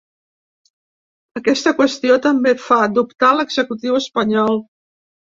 Aquesta qüestió també fa dubtar l’executiu espanyol.